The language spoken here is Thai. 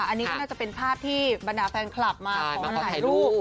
อันนี้ก็น่าจะเป็นภาพที่บรรดาแฟนคลับมาขอถ่ายรูป